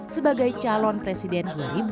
sebagai calon presiden dua ribu dua puluh